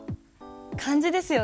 漢字ですよね？